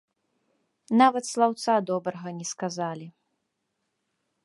Нават слаўца добрага не сказалі.